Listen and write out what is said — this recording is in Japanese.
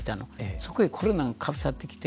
そこへコロナがかぶさってきて。